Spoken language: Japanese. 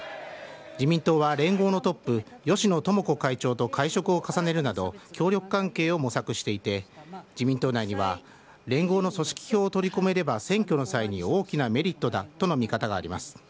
自民党は連合のトップ、芳野友子会長と会食を重ねるなど、協力関係を模索していて、自民党内には、連合の組織票を取り込めれば選挙の際に大きなメリットだとの見方があります。